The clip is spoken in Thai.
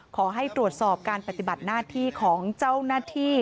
ขอให้ตรวจสอบการปฏิบัติหน้าที่ของเจ้าหน้าที่